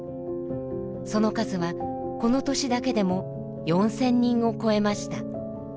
その数はこの年だけでも４，０００人を超えました。